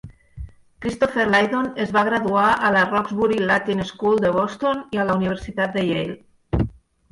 Christopher Lydon es va graduar a la Roxbury Latin School de Boston i a la Universitat de Yale.